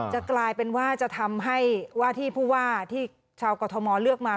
จะกลายเป็นว่าจะทำให้ว่าที่ผู้ว่าที่ชาวกรทมเลือกมา